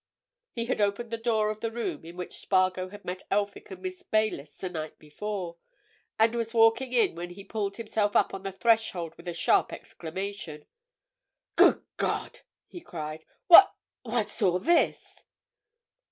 He had opened the door of the room in which Spargo had met Elphick and Miss Baylis the night before, and was walking in when he pulled himself up on the threshold with a sharp exclamation. "Good God!" he cried. "What—what's all this?"